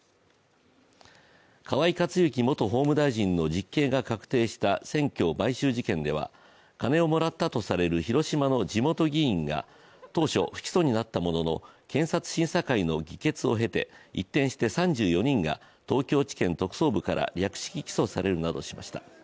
河井克行元法務大臣の実刑が確定した選挙買収事件では金をもらったとされる広島の地元議員が当初不起訴になったものの検察審査会の議決を経て一転して３４人が東京地検特捜部から略式起訴されるなどしました。